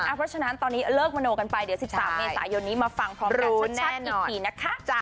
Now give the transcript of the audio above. เพราะฉะนั้นตอนนี้เลิกมโนกันไปเดี๋ยว๑๓เมษายนนี้มาฟังพร้อมกับชัดอีกทีนะคะ